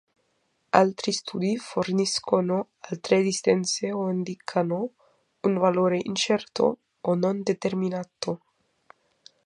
Altri studi forniscono altre distanze o indicano un valore incerto o non determinato.